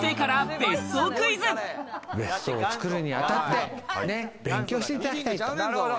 別荘を造るに当たって勉強していただきたいと。